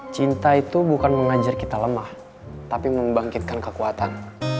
cinta itu bukan mengajar kita lemah tapi membangkitkan kekuatan